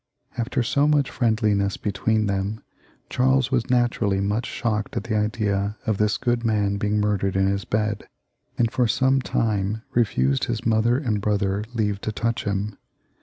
After so much friendliness between them, Charles was naturally much shocked at the idea of this good man being murdered in his bed, and for some time refused his mother and brother leave to touch him.